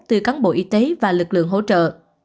từ cán bộ y tế và lực lượng hỗ trợ